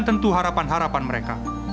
dan tentu harapan harapan mereka